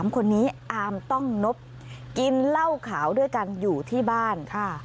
๓คนนี้อามต้องนบกินเหล้าขาวด้วยกันอยู่ที่บ้าน